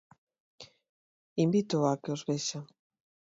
Invítoo a que os vexa.